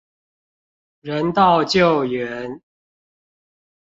人道救援